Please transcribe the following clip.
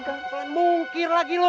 pelan pelan mungkir lagi loh